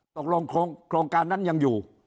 ตกลงโครงการนั้นยังอยู่